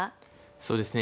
そうですね